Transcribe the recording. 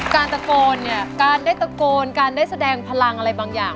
คนว่าทำได้แล้วนะ